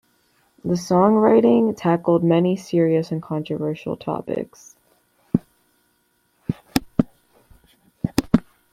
The songwriting tackled many serious and controversial topics.